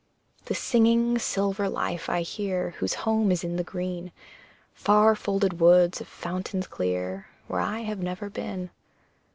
The singing, silver life I hear, Whose home is in the green, Far folded woods of fountains clear, Where I have never been.